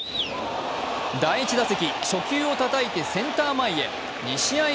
第１打席、初球をたたいてセンター前へ。